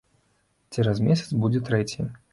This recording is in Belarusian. Цераз месяц будзе трэці.